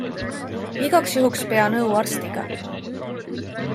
Igaks juhuks pea nõu arstiga.